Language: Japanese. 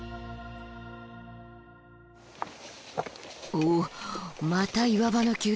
おおっまた岩場の急登だ。